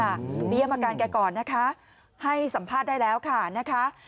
เยี่ยมอาการแกก่อนนะคะให้สัมภาษณ์ได้แล้วค่ะนะคะ